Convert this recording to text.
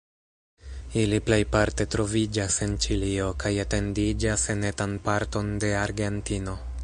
Ili plejparte troviĝas en Ĉilio kaj etendiĝas en etan parton de Argentino.